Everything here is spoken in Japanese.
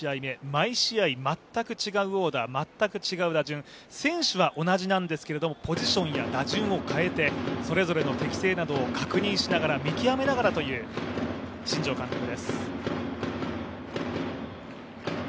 毎試合、全く違うオーダー、全く違う打順、選手は同じなんですけれども、ポジションや打順を変えてそれぞれの適性などを確認しながら見極めながらという新庄監督です。